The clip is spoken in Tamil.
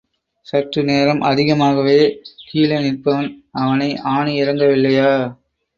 சற்றுநேரம் அதிகமாகவே, கீழே நிற்பவன் அவனை ஆணி இறங்கவில்லையா?